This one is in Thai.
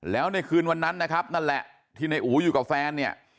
แล้วในคืนวันนั้นนะครับนั่นแหละที่ในอู๋อยู่กับแฟนเนี่ย